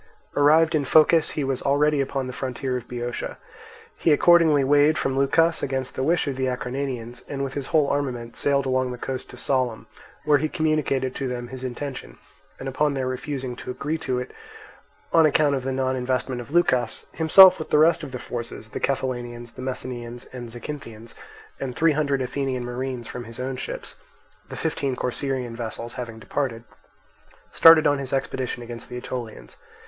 Arrived in Phocis he was already upon the frontier of Boeotia. He accordingly weighed from Leucas, against the wish of the Acarnanians, and with his whole armament sailed along the coast to Sollium, where he communicated to them his intention; and upon their refusing to agree to it on account of the non investment of Leucas, himself with the rest of the forces, the Cephallenians, the Messenians, and Zacynthians, and three hundred Athenian marines from his own ships (the fifteen Corcyraean vessels having departed), started on his expedition against the Aetolians.